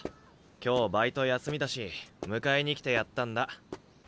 今日バイト休みだし迎えに来てやったんだ。